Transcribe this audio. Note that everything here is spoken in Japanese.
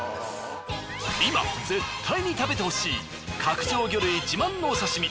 今絶対に食べてほしい角上魚類自慢のお刺身